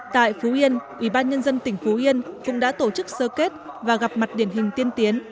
tại phú yên ủy ban nhân dân tỉnh phú yên cũng đã tổ chức sơ kết và gặp mặt điển hình tiên tiến